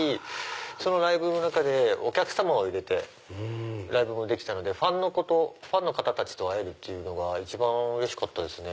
そのライブでお客様を入れてライブもできたのでファンの方と会えるっていうのが一番うれしかったですね。